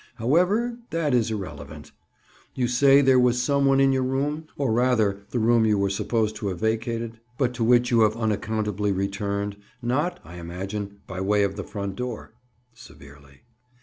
However, that is irrelevant. You say there was some one in your room, or rather the room you were supposed to have vacated; but to which you have unaccountably returned—not, I imagine, by way of the front door." Severely.